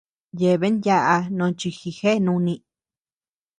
Yeabean yáʼa nochi jijéa nùni.